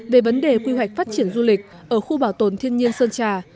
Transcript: về vấn đề quy hoạch phát triển du lịch ở khu bảo tồn thiên nhiên sơn trà